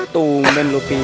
tunggu men lupi